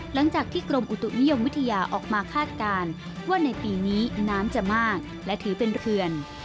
หลังจากที่กรมอุตุนิยมวิทยาออกมาคาดการณ์ว่าในปีนี้น้ำจะมากและถือเป็นเขื่อน